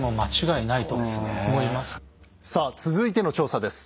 さあ続いての調査です。